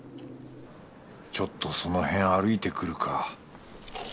ちょっとそのへん歩いてくるか